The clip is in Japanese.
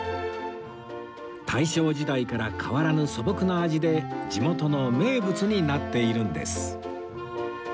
大正時代から変わらぬ素朴な味で地元の名物になっているんです